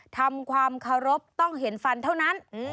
ทำความรับความเนิ่มต้องเห็นฟันเท่านั้น